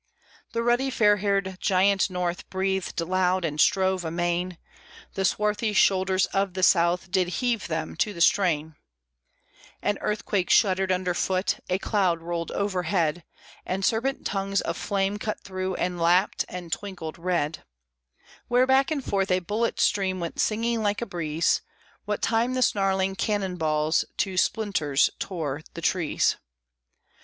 The ruddy, fair haired, giant North breathed loud and strove amain; The swarthy shoulders of the South did heave them to the strain; An earthquake shuddered underfoot, a cloud rolled overhead: And serpent tongues of flame cut through and lapped and twinkled red, Where back and forth a bullet stream went singing like a breeze, What time the snarling cannon balls to splinters tore the trees.